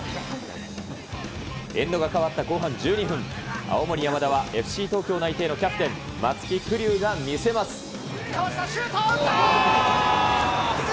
エンドが変わった後半１２分、青森山田はＦＣ東京内定のキャプテン、松木玖生が見せます。